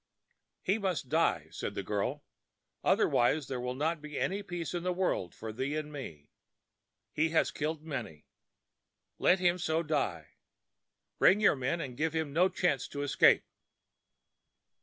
"He must die," said the girl. "Otherwise there will not be any peace in the world for thee and me. He has killed many. Let him so die. Bring your men, and give him no chance to escape."